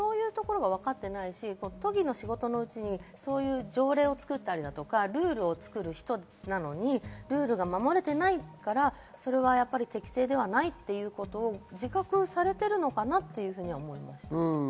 そういうところが分かっていないですし、都議の仕事でそういう条例を作ったりだとか、ルールを作る人なのに、ルールを守れていないから、適性ではないということを自覚されているのかなと思います。